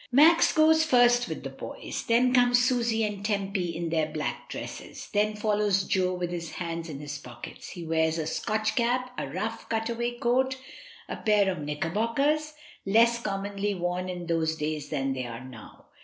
Max goes first with the boys, then come Susy and Tempy in their black dresses; then follows Jo, with his hands in his pockets. He wears a Scotch cap, a rough, cut away coat, a pair of knicker bockers, less commonly worn in those days than they are now.